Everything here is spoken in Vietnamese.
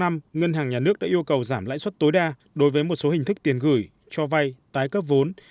ngân hàng nhà nước đã yêu cầu giảm lãi suất tối đa đối với một số hình thức tiền gửi cho vay tái cấp vốn